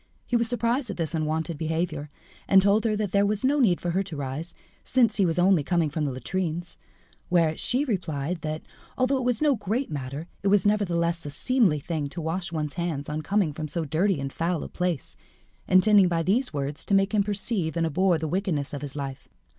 He was surprised at this unwonted behaviour, and told her that there was no need for her to rise, since he was only coming from the latrines; whereat she replied that, although it was no great matter, it was nevertheless a seemly thing to wash one's hands on coming from so dirty and foul a place, intending by these words to make him perceive and abhor the wickedness of his life.